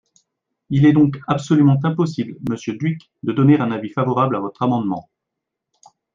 Il est donc absolument impossible, monsieur Dhuicq, de donner un avis favorable à votre amendement.